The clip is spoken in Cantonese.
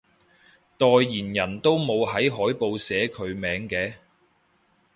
代言人都冇喺海報寫佢名嘅？